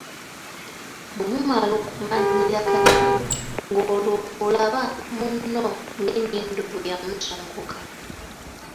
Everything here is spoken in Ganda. Bwe mumala okumanyiiragana, ng'olwo bw'olaba munno ng'enyindo bwe yamusongola.